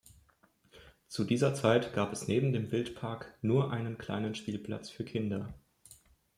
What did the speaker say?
Zu dieser Zeit gab es neben dem Wildpark nur einen kleinen Spielplatz für Kinder.